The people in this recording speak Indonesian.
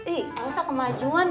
ih enggak usah kemajuan